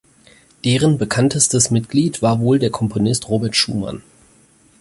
Deren bekanntestes Mitglied war wohl der Komponist Robert Schumann.